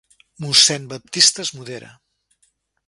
Mossèn Baptista es modera.